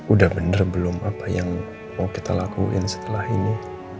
udah bener belum apa yang mau kita lakuin setelah ini